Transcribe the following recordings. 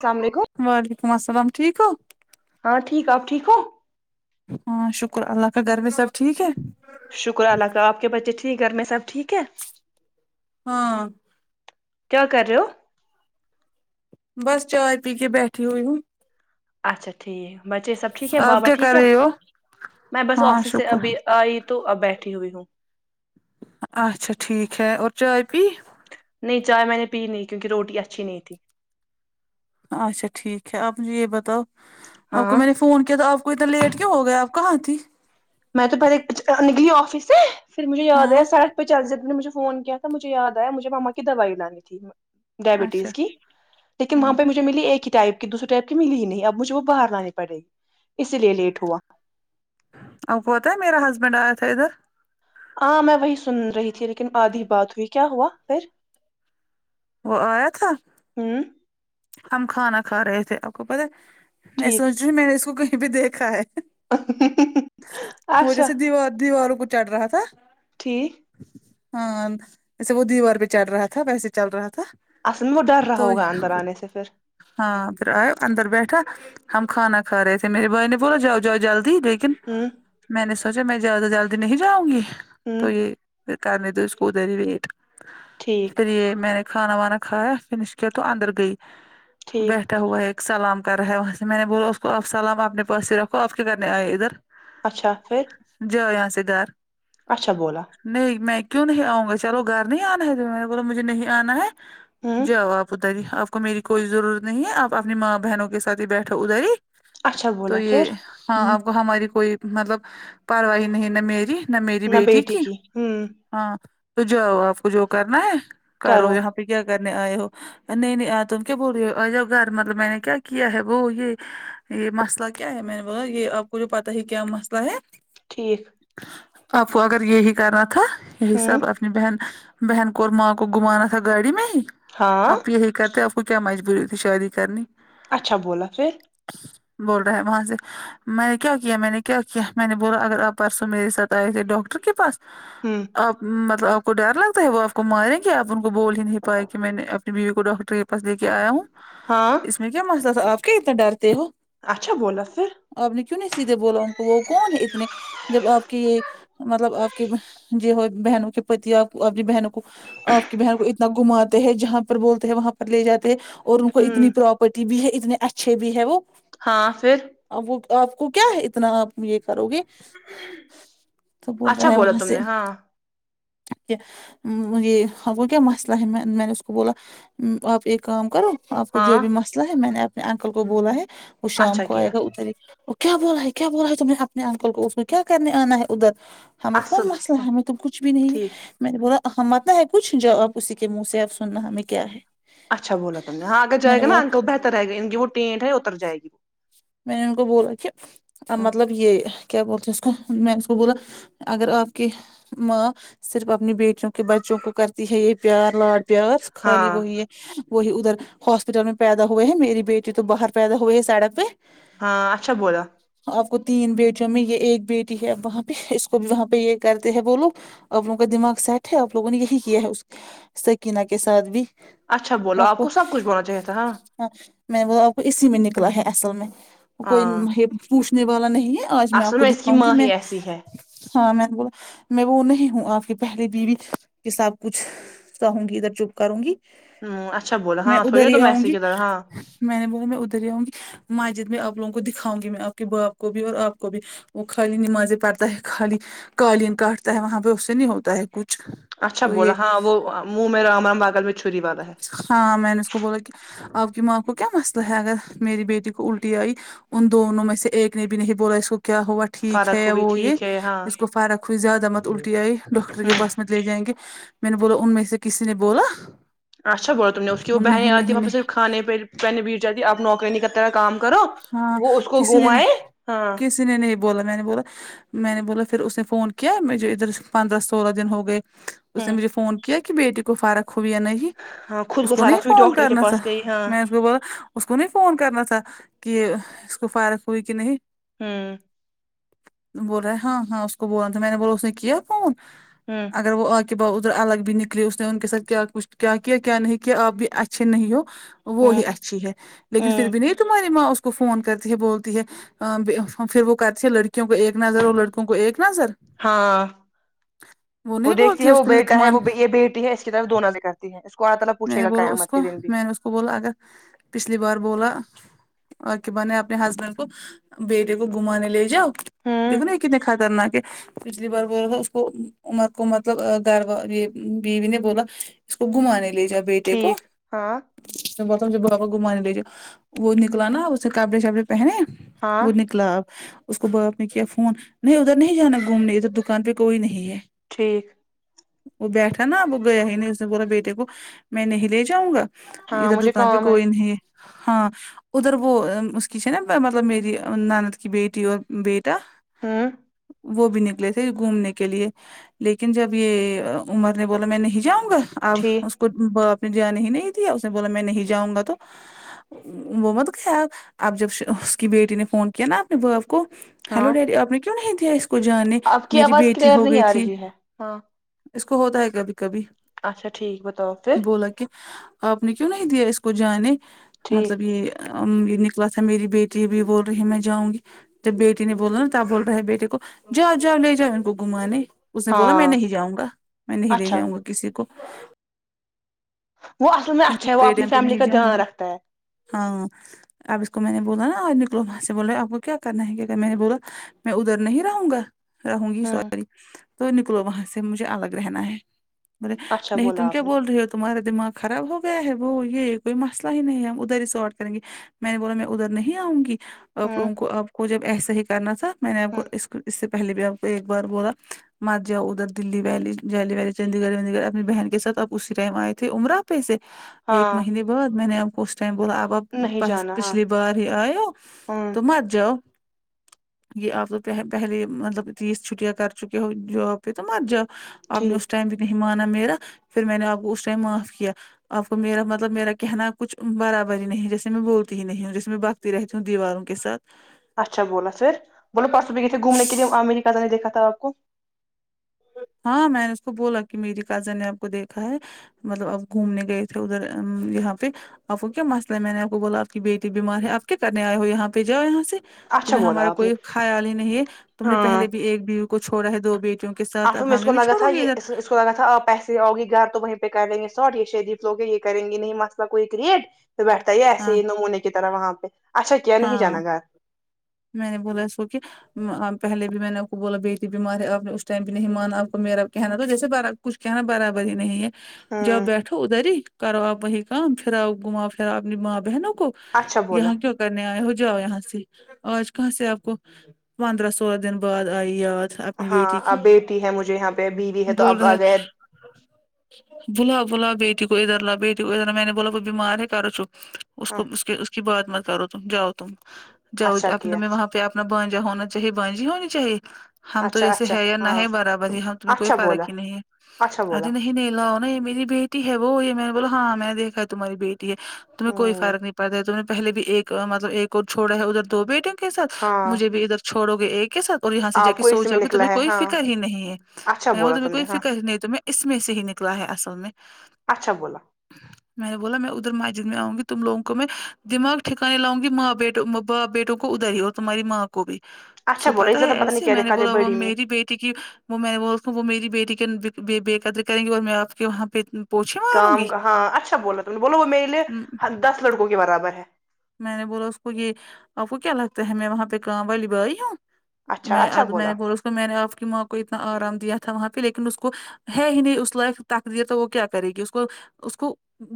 السلام علیکم وعلیکم السلام ٹھیک ہو ہاں ٹھیک آپ ٹھیک ہو ہاں شکر اللہ کا گھر میں سب ٹھیک ہے شکر اللہ کا آپ کے بچے ٹھیک گھر میں سب ٹھیک ہے ہاں کیا کر رہے ہو بس چائے پی کے بیٹھی ہوئی ہوں اچھا ٹھیک بچے سب ٹھیک ہے آپ بابا کیا کر ٹھیک ہے رہے ہو میں بس ہاں آفس سے شکر ابھی آئی تو اب بیٹھی ہوئی ہوں اچھا ٹھیک ہے اور چائے پی نہیں چائے میں نے پی نہیں کیونکہ روٹی اچھی نہیں تھی اچھا ٹھیک ہے آپ مجھے یہ بتاؤ آپ کو ہاں میں نے فون کیا تھا آپ اور عتا لیٹ کیوں ہو گیے آپ کہاں تھی میں تو پہلے نکلی آفس سے پھر مجھے یاد ہاں آیا ساید پہ چلذب نے مجھے فون کیا تھا مجھے یاد آیا مجھے ماما کی دوائی لانی تھی اچھا ڈائبٹیز کی لیکن وہاں ہاں پہ مو ملی ایک ہی ٹائپ کی دوسری ٹائپ کی ملی ہی نہیں اب مجھے وہ باہر لانی پڑے اسی لیے لیٹ ہوا آپکو پتا ہے میرا ہسبینڈ آیا تھا ادھر ہاں میں وہی سن رہی تھی لیکن آدھی بات ہوئی کیا ہوا پھر وہ آیا تھا ہوں ہم کھانا کھا رہے تھے آپ کو پتا میں ٹھیک سوچ رہی میں نے اس کو کہیں پہ دیکھا ہے وہ اچھا جیسے دیوار دیواروں کو چڑھ رہا تھا ٹھیک ہاں جیسے وہ دیوار پہ چڑھ رہا تھا ویسے چل رہا تھا اصل میں وہ ڈر رہا تو ہوگا اندر آنے سے پھر ہاں پھر آئے اندر بیٹھا ہم کھانا کھا رہے تھے میرے بھائی نے بولا جاؤ جاؤ جلدی لیکن ہوں میں نے سوچا میں جیادہ جلدی نہیں جاؤں گی ہوں تو یہ پھر کرنے دو اس کو ادھر ہی ویٹ ٹھیک پھر یہ میں نے کھانا وانا کھایا فنش کیا تو اندر گئی ٹھیک بیٹھا ہوا ایک سلام کر رہا ہے وہاں سے میں نے بولا اس کو آپ سلام اپنے پاس ہی رکھو آپ کیا کرنے آئے ادھر اچھا پھر جاو یہاں سے دار اچھا بولا نہیں میں کیوں نہیں آؤں گا چلو گھر نہیں آنا ہے تمہے مینے بولا مجھے نہیں آنا ہے ہوں جاؤ آپ ادھر ہی آپ کو میری کوئی ضرورت نہیں ہے آپ اپنی ماں بہنوں کے ساتھ ہی بیٹھو ادھر ہی اچھا تو بولا یہ پھر ہاں ہوں آپ کو ہماری کوئی مطلب پرارواہ ہی نہیں نا میری نہ میری بیٹی کی ہاں تو جاو آپ کو جو کرنا ہے کرو یہاں پے کیا کرنے آئے ہو نہیں نہیں آ تم کیا بول رہے ہو آ جؤ گھر مطلب میں نے کیا کیا ہے وہ یہ یہ مسئلہ کیا ہے میں نے بولا یہ اب اور یہ پتا ہے کیا مسئلہ ہے ٹھیک آپ کو اگر یہی کرنا تھا یہی ہوں سب اپنی بہن بہن کو اور ماں کو گھمانا تھا گاڑی میں ہاں آپ یہی کرتے ا وہ کیا مجبوری تھی شادی کرنی اچھا بولا پھر بول رہا ہے وہاں سے میں کیا کیا مینے کیا کیا میں نے بولا اگر آپ پرسوں میرے ساتھ آئے تھے ڈاکٹر کے پاس ہوں آپ مطلب آپ کو ڈر لگتا ہے وہ آپ کو ماریں کہ آپ ان کو بول ہی نہیں پائے کہ میں نے اپنی بیوی کو ڈاکٹر پاس لے کے آیا ہوں ہاں اس میں کیا مسئلہ تھا آپ کیا اتنا ڈرتے ہو اچھا بولا پھر آپ نے کیوں نہیں سیدھے بولا ان کو وہ کون ہے اتنے جب آپ کی یہ مطلب آپ کے بہن جی بہت بہنوں کے پتی آپ کو آپکی بہنوں کو آپ کی بہن کو اتنا گھماتے ہیں جہاں پر بولتے ہیں وہاں پر لے جاتے ہیں اور ان کو ہوں اتنی پراپرٹی بھی ہے اتنے اچھے بھی ہے وہ ہاں پھر آپ کو آپ کو کیا ہے اتنا آپ یہ کرو گے تو بول اچھا رہا ہے بولا وہاں تم سے نے ہاں کہ مجھے ہاں وہ کیا مسئلہ ہے میں نے میں نے اس کو بولا آپ ایک کام کرو آپ کو ہاں جو بھی مسئلہ ہے میں نے اپنے انکل کو بولا ہے وہ شام اچھا کو آئے کیا گا ادھر ہی کیا بولا ہے کیا بولا ہے تم نے اپنے انکل کو اس نے کیا کرنے آنا ہے ادھر ہمیں اصل کون مسئلہ ہاں ہے ہمیں تو کچھ بھی نہیں ہے ٹھیک میں نے بولا ہم آتے ہے پوچھ جو اب اسی کے منہ سے اب سننا ہمیں کیا ہے اچھا بولا تم نے ہاں اگر میں جائے نے گا نہ بولا انکل بہتر رہے گا ان کی وہ ٹیں ٹیں اتر جائے گی میں نے ان کو بولا کہ اب ہاں مطلب یہ کیا بولتے اس کو میں نے اس کو بولا اگر آپ کے ماں صرف اپنی بیٹیوں کے بچوں کو کرتی ہے یہ پیار لاڈ پیار خالی ہاں وہی یہ وہی ادھر ہاسپٹل میں پیدا ہوئے ہیں میری بیٹی تو باہر پیدا ہوئے ہے سڑک پہ ہاں اچھا بولا آپ کو تین بیٹیوں میں یہ ایک بیٹی ہے اب وہاں پہ اس کو بھی وہاں پہ یہ کرتے ہیں بولو آپ لوگوں کا دماغ سیٹ ہے آپ لوگوں نے یہی کیا ہے اس سکینہ کے ساتھ بھی اچھا بولا آپ کو سب کچھ بولنا چاہیے تھا ہاں ہاں میں وہ آپ کو اسی میں نکلا ہے اصل میں کوئی ہاں نن ہے پوچھنے والا نہیں ہے آج میں آپ اصل کو اس کی دکھاؤں گی ماں میں ہی ایسی ہے ہاں میں نے بولا میں وہ نہیں ہوں آپ کی پہلی بیوی کے سب کچھ سہونگی ادھر چپ کروں گی ہ اچھا بولا میں ہاں ادھر تھوڑی ہی تم آؤں ایسی گی کی طرح ہاں میں نے بولا میں ادھر ہی آؤں گی ماجد میں آپ لوگوں کو دکھاؤں گی میں آپ کے باپ کو بھی اور آپ کو بھی وہ خالی نمازیں پڑتا ہے خالی قالین کاٹتا ہے وہاں پہ اس سے نہیں ہوتا ہے کچھ اچھا تو یہ بولا ہاں وہ منہ میں رام رام بغل میں چھری والا ہے ہاں میں نے اس کو بولا کہ آپ کی ماں کو کیا مسئلہ ہے اگر میری بیٹی کو الٹی آئی ان دونوں میں سے ایک نے بھی نہیں بولا اس کو کیا ہوا ہے ٹھیک فرق ہے ہوئی وہ یہ ٹھیک ہے ہاں اس کو فرق ہوئی زیادہ مت الٹی آئی ڈاکٹر کے ہ پاس مت لے جائیں گے میں نے بولا ان میں سے کسی نے بولا اچھا بولا تم نے اس کی وہ بہنیں نہیں آتی نہیں وہاں پہ صرف نہیں کھانے پر پہننے بیٹھ جاتی ہے آپ نوکرانی کی طرح کام کرو ہاں وہ اس کو کسی نے گھمائے نہیں ہاں کسی نے نہیں بولا میں نے بولا میں نے بولا پھر اس نے فون کیا مجھے ادھر پندرہ سولہ دن ہو گئے اس نے ہ مجھے فون کیا کہ بیٹی کو فرق ہوئی یا نہیں ہاں خود اس کو نہیں فارغ ہوئی فون ڈاکٹر کے کرنا تھا پاس گئی ہاں میں نے اس کو بولا اس کو نہیں فون کرنا تھا کہ اس کو فرق ہوئی کہ نہیں ہوں بول رہا ہے ہاں ہاں اس کو بولا تھا میں نے بولا اس نے کیا فون ہمم اگر وہ آ کے با ادھر الگ بھی نکلے اس نے ان کے ساتھ کیا کچھ کیا کیا کیا نہیں کیا آپ بھی اچھے نہیں ہو وہ ہوں ہی اچھی ہے لیکن پھر ہوں بھی نہیں تمہاری ماں اس کو فون کرتی ہے بولتی ہے آں بے پھر وہ کرتی ہے لڑکیوں کو ایک نظر اور لڑکوں کو ایک نظر ہاں وہ نہیں دیکھتی بولتی ہے اس وہ کو بیٹا ہے لکمان وہ یہ بیٹی ہے کی طرف دو نظر کرتی ہے اس کو اللہ تعالی میں پوچھے نے گا بولا اس قیامت کے کو دن بھی میں نے اس کو بولا اگر پچھلی بار بولا اورک بنے اپنے ہسبنڈ کو بیٹے کو گھمانے لے جاؤ ہوں دیکھو نا یہ کتنے خاطرناک ہے پچھلی بار بولا تھا اس کو عمر کو مطلب گھر اور بیوی نے بولا اس کو گھومانے لے جا بیٹے کو ٹھیک ہاں اسنے بولا بابا گھومانے لے جاؤ وہ نکلا نا اسے کپڑے شپڑے پہنے ہاں وہ نکلا اب اس کو باپ نے کیا فون نہیں ادھر نہیں جانا گھومنے ادھر دکان پہ کوئی نہیں ہے ٹھیک وہ بیٹھا نا وہ گیا ہی نہیں اس نے بولا بیٹے کو میں نہیں لے جاؤں گا ہاں اد مجھے دکان پہ کام کوئی نہیں ہے ہاں ادھر وہ اس کی نا مطلب میری ناند کی بیٹی اور بی ٹا ہوں وہ بھی نکلے تھے گھومنے کے لیے لیکن جب یہ عمر نے بولا میں نہیں جاؤں گا اب ٹھیک اس کو باپ نے جانے ہی نہیں دیا اس نے بولا میں نہیں جاؤں گا تو وہ مت گیا اب جب اس کی بیٹی نے فون کیا نا اپنے باپ کو ہیلو ہاں ڈیڈی آپ نے کیوں نہیں دیا اس کو جانے آپ کی میری آواز بیٹی کلیئر ہو نہیں گئی آ تھی رہی ہے ہاں اس کو ہوتا ہے کبھی کبھی اچھا ٹھیک بتاؤ پھر بولا کہ آپ نے کیوں نہیں دیا اس کو جانے ٹھیک مطلب یہ ام بھی نکلا تھا میری بیٹی بھی بول رہی ہے میں جاؤں گی جب بیٹی نے بولنا نا تب بول رہا ہے بیٹے کو جا جاؤ لے جاؤ ان کو گھومانے اس نے بولا میں ہاں نہیں جاؤں گا میں نہیں لے اچھا جاؤں گا کسی کو وہ اصل میں اچھا ہے وہ اپنی پیڈیم پہ فیملی نہیں کا جان دھیان رکھتا ہے ہاں اب اس کو میں نے بولا نا آج نکلو وہاں سے بول رہے آپ کو کیا کرنا ہے کیا اگر میں نے بولا میں ادھر نہیں رہوں گا رہوں گی ہوں سوری تو نکلو وہاں سے مجھے الگ رہنا ہے بولے اچھا نہیں بولا تم کیا آپ نے بول رہے ہو تمہارا دماغ خراب ہو گیا ہے وہ یہ کوئی مسئلہ ہی نہیں ہے ہم ادھر ہی سٹ کریں گے میں نے بولا میں ادھر نہیں آؤں گی آپ ہوں لوگوں کو آپ کو جب ایسے ہی کرنا تھا میں نے آپ ہوں کو اس اس سے پہلے بھی آپ کو ایک بار بولا مت جاؤ ادھر دلی ویلی دلی ویلی چنڈی گڑھ وندی گڑھ اپنی بہن کے ساتھ آپ اسی ٹائم آئے تھے عمرہ پسے ایک ہاں مہینے بعد میں نے آپ کو اس ٹائم بولا اب آپ نہیں بس جانا ہاں پچھلی بار ہی آئے ہو ہوں تو مت جاؤ یہ آپ پہلے پہلے مطلب تیس چھٹیاں کر چکے ہو جاب پہ تو مت جاؤ آپ نے اس ٹھیک ٹائم بھی نہیں مانا میرا پھر میں نے آپ کو اس ٹائم معاف کیا آپ کو میرا مطلب میرا کہنا کچھ برابر ہی نہیں جسے میں بولتی ہی نہیں ہوں جیسے میں بات رہتی ہوں دیواروں کے ساتھ اچھا بولا پھر بولو پرسو بھی گۓ تھے گھومنے کے لیے واں میں نے پہلے نہیں دیکھا تھا آپ کو ہاں میں نے اس کو بولا کہ میری کزن نے آپ کو دیکھا ہے مطلب آپ گھومنے گئے تھے ادھر ام یہاں پہ آپ کو کیا مسئلہ ہے میں نے آپ کو بولا آپ کی بیٹی بیمار ہے آپ کیا کرنے آئے ہو یہاں پہ جاؤ یہاں سے اچھا تمہیں بولا ہمارا آپ نے کوئی خیال ہی نہیں ہے تم نے ہاں پہلے بھی ایک بیوی کو چھوڑا ہے دو بیٹیوں کے ساتھ اصل اب میں اس کو ہمیں بھی لگا تھا چھوڑو گے یہ ادھر اس کو لگا تھا آپ ہیں پھر آوگی گھر تو وہیں پہ کر لیں گے ساٹ یہ شریف لوے ہے یہ کریں گے نہیں مسئلہ کوئی کریٹ تو بیٹھتا ہے یہ ایسے ہاں ہی نمونے کی طرح وہاں پہ اچھا کیا نہیں ہاں جانا گھر میں نے بولا اس کو کہ پہلے بھی میں نے آپ کو بولا بیٹی بیمار ہے آپ نے اس ٹائم بھی نہیں مانا آپ کو میرا کہنا تو جیسے برابر کچھ کہنا برابر ہی نہیں ہے جب ہوں بیٹھو ادھر ہی کرو آپ وہیں کام پھراؤ گھوماؤ پھرا اپنی ماں بہنوں کو اچھا بولا یہاں تو کرنے آئے ہو جاؤ یہاں سے آج کہاں سے آپ کو پندرہ سولہ دن بعد آئی یاد اپنی ہاں بیٹی کی اب بیٹی ہے مجھے یہاں پہ بیوی ہے تو بول اب آ رہا گئے بلاؤ بلاؤ بیٹی کو ادھر لا بیٹی کو ادھر لاؤ میں نے بولا وہ بیمار ہے کرو چپ اس ہاں کو اس کے اس کی بات مت کرو تم جاؤ تم جاؤ اچھا آپ ت کیا وہاں پہ آپ اپنا بھانجا ہونا چاہیے بھانجی ہونی چاہیے ہم تو اچھا جیسے اچھا ہے یا نہ ہاں ہے برابر ہی ہم تمہیں کوئی اچھا بولا فرق ہی نہیں ہے اچھا بولا ارے نہیں نہیں لاؤ نا یہ میری بیٹی ہے وہ یہ میں نے بولا ہاں میں دیکھا تمہاری بیٹی تمہیں کوئی ہوں فرق نہیں پڑتا تم نے پہلے بھی ایک مطلب ایک اور چھوڑا ہے ادھر دو بیٹے کے ساتھ ہاں مجھے بھی ادھر چھوڑو گے ایک کے ساتھ اور یہاں سے جا آپ کے کو اسی میں سوجاؤ گے نکلا تمہیں ہے کوئی ہاں فکر ہی نہیں ہے اچھا میں ہ بولا تمہیں تم نے کوئی ہاں فکر ہی نہیں تمہیں اس میں سے ہی نکلا ہے اصل میں اچھا بولا میں نے بولا میں ادھر ماجد میں آؤں گی تم لوگوں کو میں دماغ ٹھاکانے لگاؤنگی ماں بیٹ باپ بیٹوں کو ادھر ہی ہو تمہاری ماں کو بھی اس اچھا کو بولا پتا ہے زیادہ پتہ نہیں ایسے کیا میں نے دکھاتے بولا وہ بڑی میں میری بی ٹی کی وہ میں وہ اس کو وہ میری بیٹی کی بے بے قدری کریں گی اور میں آپ کے وہاں پہ پوچھے ماروں کام گی کہاں اچھا بولا تم نے بولو وہ میرے م- لیے دس لڑکوں کے برابر ہے میں نے بولا اس کو یہ آپ کو کیا لگتا ہے میں وہاں پہ کام والی بائی ہوں اچھا میں اچھا اب میں نے بولا اس کو میں نے آپ کی ماں کو اتنا آرام دیا تھا وہاں پہ لیکن اس کو ہے ہی نہیں اس لائف تقدیر تو وہ کیا کرے گی اس کو اس کو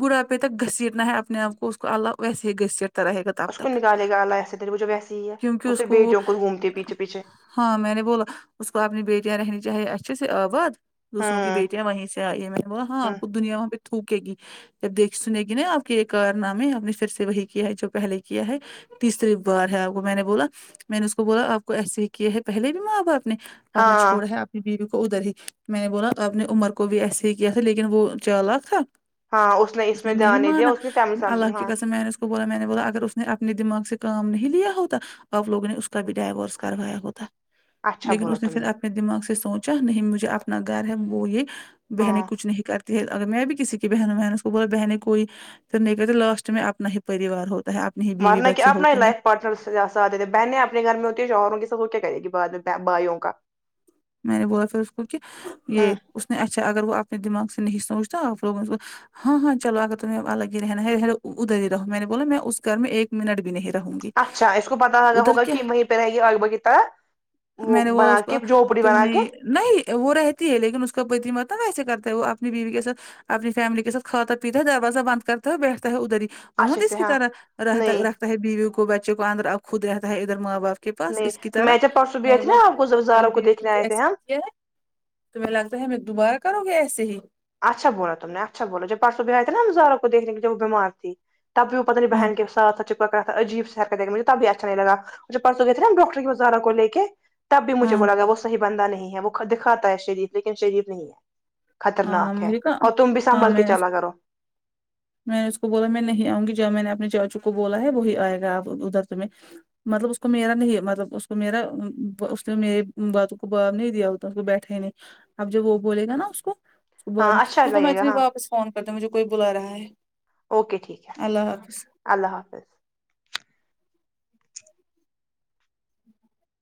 بڑھاپے تک گھسیٹ نا ہے اپنے آپ کو اس کو الگ ویسے ہی گھسیٹ تا رہے گا تب اس کو تک نکالے گا اللہ ایسے تیرے وہ جو ویسے ہی ہے کیونکی اس صرف کو وہ بیٹیوں گھومتی پیچھے پیچھے ہاں میں نے بولا اس کو اپنی بیٹیاں رہنی چاہیے اچھے سے آبااد دوسروں کی ہوں بیٹیاں وہیں سے آئی ہے میں نے بولا ہاں ہ آپ دنیا میں تھوکے گی جب دیک سنے گی نا آپ کے یے کار نام ہے آپ نے پھر سے وہی کیا ہے جو پہلے کیا ہے تیسری بار ہے آپ کو میں نے بولا میں نے اس کو بولا آپ کو ایسے ہی کیا ہے پہلے بھی ماں باپ نے آپ نے ہاں چھوڑا ہے آپ بیوی کو ادھر ہی میں نے بولا آپ نے عمر کو بھی ایسے ہی کیا تھا لیکن وہ چالاک تھا ہاں اس نے میں نہیں دھیان دیا مانا اس نے فیملی سامنے. اللہ کی ہاں قسم میں نے بولا میں نے بولا اگر اس نے اپنے دماغ سے کام نہیں لیا ہوتا آپ لوگوں نے اس کا بھی ڈائیوورس کروایا ہوتا اچھا لیکن بولا اس نے تم پھر اپنے دماغ سے سوچا نہیں مجھے اپنا گھر ہے وہ یے بہنیں ہاں کچھ نہیں کر تی ہے اگر میں بھی کسی کی بہن مین اس کو بول بہن کوئی تو نہیں کہتے لاسٹ میں اپنا ہی پریوار ہوتا ہے اپنی ہی بیوی بچے ہوتے ہیں پا [unintelligible] تھے بہنیں اپنے گھر میں ہوتی ہے شوہروں کے ساتھ س کیا کرے گی بعد میں بھائیوں کا میں نے بولا پھر اس کو کہ یے ہوں اس نے اچھا اگر وہ اپنے دماغ سے نہیں سوچتا آپ لوگوں اس کو ہاں ہاں چلو اگر تمہیں الگ رہنا ہےلو ادھر ہی رہو میں نے بولا میں اس گھر میں ایک منٹ بھی نہیں رہوں گی اچھا اس کو پتا ہےا ادھر ہوگا کیا کہ میں پے رہے گی [unintelligible] کے پاس وہ میں نے بنا اس کو کے جھوپڑی تم بنا نے کے نہیں وہ رہتی ہے لیکن اس کا پتی مت ویسے کرتا ہے وہ اپنی بیوی کے ساتھ اپنی فیملی کے ساتھ کھاتا پیتا ہے دروازہ بند کرتا ہو بیٹھتا ہے ادھر ہی وہ مت اچھے اس سے کی ہاں طرح رہتا نہیں رکھتا ہے بیویوں کو بچوں کو اندر خود رہتا ہے ادھر ماں باپ کے پاس نہیں اس کی طرح میں جب پرسوں بھی میں آئی نے تھی بہت نا آپ اپنی کو پہلی والی زبزاروں کو بیوی دیکھنے بھی آئے تھے ایسے ہی ہم کیا تو مے لگتا ہے میں دوبارہ کرونگی ایسے ہی اچھا بولا تم نے اچھا بولا جو پرسو بہائی تھ نا ہم زاروں کو دیکھنے کے جب وہ بیمار تھی تب بھی وہ پتہ نہیں ہاں بہن کے ساتھ چپ کرا تھا عجیب سا مجھے تبھی اچھا نہیں لگا وہ جو جب گئے تھے نا ہم ڈاکٹر کے پاس زارا کو لے کے تب بھی مجھے ہاں وہ لگا وہ صحیح بندہ نہیں ہے وہ دکھاتا ہے شریف لیکن شریف نہیں ہے خطرناک ہاں کے مجھے کہا اور تم بھی ہاں سنبل کے میں نے اس چلا کرو میں نے اس کو بولا میں نہیں آؤں گی جب میں نے اپنے چاچو کو بولا ہے وہی آئے گا ادھر تمیں مطلب اس کو میرا نہیں مطلب اس کو میرا اس نے میری باتوں کو بات نہیں دیا تو اس کو بیٹھے ہی نہیں اب جب وہ بولے گا نا اس کو صبح ہاں اچھا روکو میں لگے گا اتنے ہاں واپس فون کرتا ہوں مجھے کوئی بلا رہا ہے اوکے ٹھیک ہے اللہ حافظ اللہ حافظ